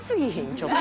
ちょっと。